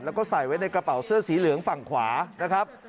แล้วก็ใส่ไว้ในกระเป๋าเสื้อสีเหลืองฝั่งขวานะครับ